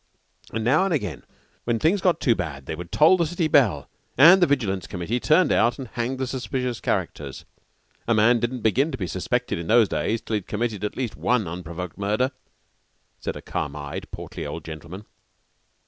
"And now and again when things got too bad they would toll the city bell, and the Vigilance Committee turned out and hanged the suspicious characters. A man didn't begin to be suspected in those days till he had committed at least one unprovoked murder," said a calm eyed, portly old gentleman.